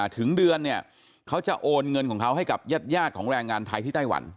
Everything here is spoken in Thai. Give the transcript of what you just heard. ถึงเดือนเนี่ยเขาจะโอนเงินของเขาให้กับญาติของแรงงานไทยที่ไต้หวัน